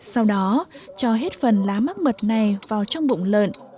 sau đó cho hết phần lá mắc mật này vào trong bụng lợn